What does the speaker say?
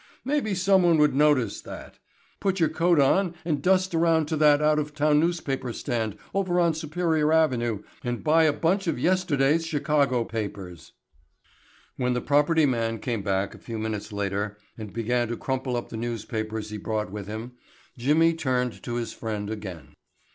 Maybe someone would notice that. Put your coat on and dust around to that out of town newspaper stand over on Superior Avenue and buy a bunch of yesterday's Chicago papers." When the property man came back a few minutes later and began to crumple up the newspapers he brought with him, Jimmy turned to his friend again.